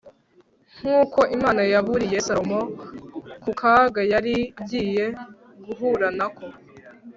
nk'uko imana yaburiye salomo ku kaga yari agiye guhura nako